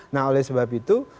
nah oleh sebab itu